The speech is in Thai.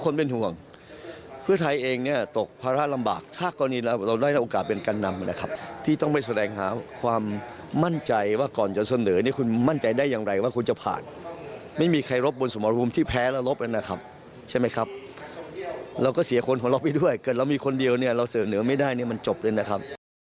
แล้วก็เสียคนของเราไปด้วยเกิดเรามีคนเดียวเราเสนอไม่ได้มันจบเลยนะครับ